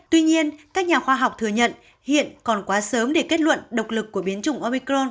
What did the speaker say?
tuy nhiên các nhà khoa học thừa nhận hiện còn quá sớm để kết luận độc lực của biến chủng opecron